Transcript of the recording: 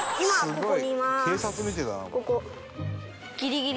ここ。